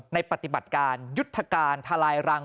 ปฏิบัติการยุทธการทลายรัง